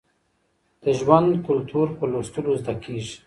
د ژوند کلتور په لوستلو زده کېږي.